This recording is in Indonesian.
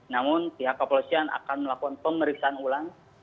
namun pihak kepolisian akan melakukan pemeriksaan ulang